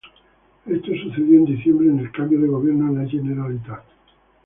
Esto sucedió en diciembre en el cambio de gobierno en la Generalitat.